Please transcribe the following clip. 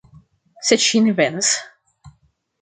Sed ŝi ne venas.